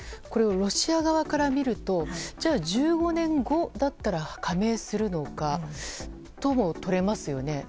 これ、ロシア側から見るとじゃあ１５年後だったら加盟するのかとも取れますよね。